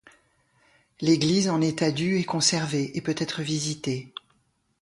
L'église en état du est conservée et peut être visitée.